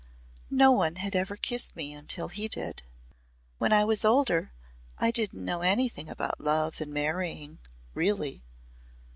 No one had ever kissed me until he did. When I was older I didn't know anything about love and marrying really.